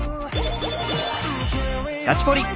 「ガチポリ！」